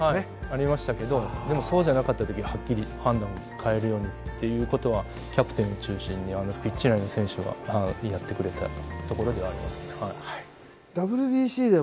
ありましたけどでもそうじゃなかった時はっきり判断を変えるようにっていう事はキャプテンを中心にピッチ内の選手がやってくれたところではありますねはい。